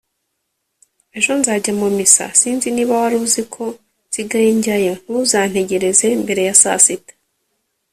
- ejo nzajya mu misa - sinzi niba wari uzi ko nsigaye njyayo - ntuzantegereze mbere ya saa sita.